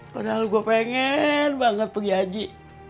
padahal gue pengen banget pergi haji